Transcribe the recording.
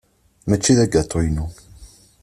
Mačči d agatu-inu.